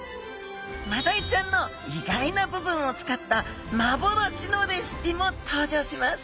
マダイちゃんの意外な部分を使った幻のレシピも登場します！